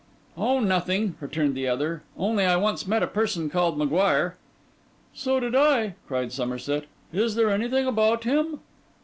'Oh, nothing,' returned the other: 'only I once met a person called M'Guire.' 'So did I!' cried Somerset. 'Is there anything about him?